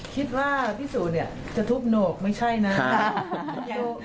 คิดว่าพี่สุเนี่ยจะทุบโหนกไม่ใช่นะ